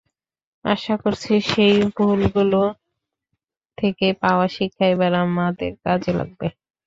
আশা করছি, সেই ভুলগুলো থেকে পাওয়া শিক্ষা এবার আমাদের কাজে লাগবে।